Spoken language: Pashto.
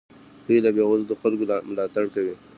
دوی له بې وزلو خلکو ملاتړ کوي.